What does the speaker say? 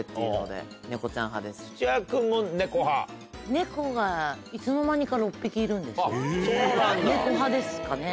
ネコがいつの間にか６匹いるんですネコ派ですかね。